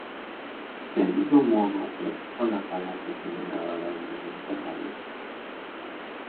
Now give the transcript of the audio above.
Del mismo modo, el acceso a la sala está siendo grabado en vídeo permanentemente.